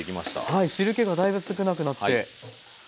はい汁けがだいぶ少なくなって。